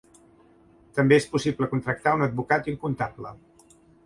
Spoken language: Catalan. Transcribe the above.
També és possible contractar un advocat i un comptable.